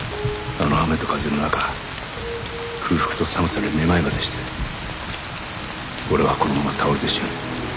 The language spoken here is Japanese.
あの雨と風の中空腹と寒さでめまいまでして俺はこのまま倒れて死ぬ。